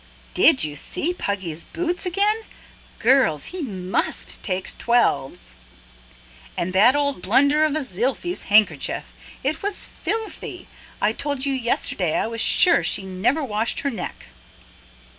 "DID you see Puggy's boots again? Girls, he MUST take twelves!" "And that old blubber of a Ziely's handkerchief! It was filthy. I told you yesterday I was sure she never washed her neck."